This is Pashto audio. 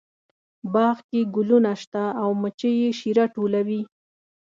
باغ کې ګلونه شته او مچۍ یې شیره ټولوي